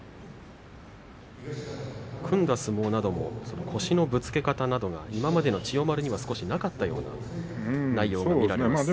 組んだ相撲も腰のぶつけ方などが今までの千代丸にはなかったような内容ですね。